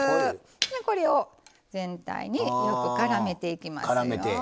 これを全体によくからめていきますよ。